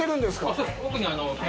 そうです。